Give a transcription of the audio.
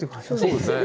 そうですね。